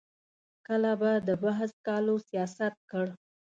کله به د بحث سکالو سیاست کړ.